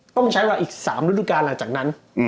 ต้องใช้ว่าอีก๓รูปจุดการณ์หลังจากนั้น